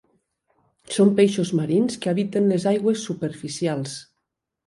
Són peixos marins que habiten les aigües superficials.